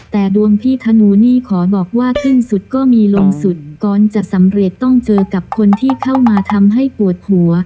แต่ดวงพี่ธนูนี่ขอบอกว่าขึ้นสุดก็มีลงสุดก่อนจะสำเร็จต้องเจอกับคนที่เข้ามาทำให้ปวดหัว